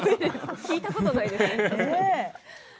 聞いたことないですね。